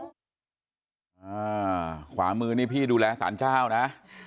ขวามือนี่พี่ดูแลสารเจ้านะ